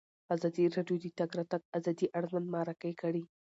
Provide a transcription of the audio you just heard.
ازادي راډیو د د تګ راتګ ازادي اړوند مرکې کړي.